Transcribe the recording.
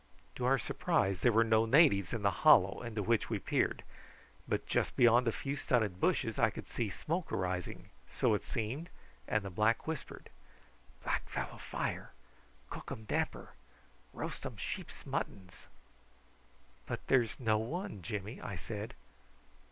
To our surprise there were no natives in the hollow into which we peered, but just beyond a few stunted bushes I could see smoke arising, so it seemed, and the black whispered: "Black fellow fire. Cookum damper. Roastum sheep's muttons." "But there is no one, Jimmy," I said.